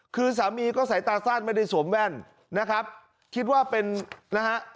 คือสามีก็สายตาสั้นไม่ได้สวมแว่นนะครับคิดว่าเป็นนะฮะ